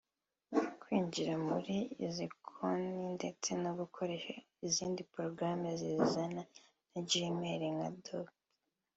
Kwinjira muri izi konti ndetse no gukoresha izindi porogaramu zizana na Gmail nka Docs